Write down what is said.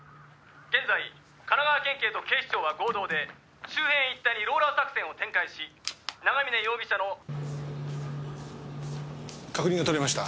「現在神奈川県警と警視庁は合同で周辺一帯にローラー作戦を展開し長嶺容疑者の」確認が取れました。